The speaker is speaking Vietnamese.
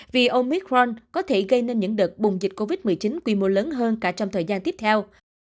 vì omit front có thể gây nên những đợt bùng dịch covid một mươi chín quy mô lớn hơn cả trong thời gian tiếp theo